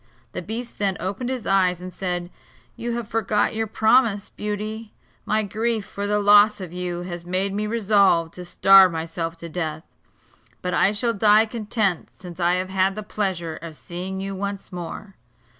The beast then opened his eyes, and said: "You have forgot your promise, Beauty. My grief for the loss of you has made me resolve to starve myself to death; but I shall die content, since I have had the pleasure of seeing you once more."